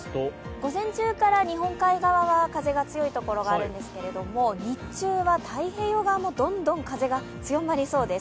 午前中から日本海側は風の強いところがあるんですが日中は太平洋側もどんどん風が強まりそうです。